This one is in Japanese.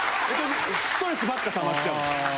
ストレスばっかたまっちゃう。